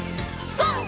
ＧＯ！